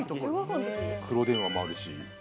黒電話もあるし。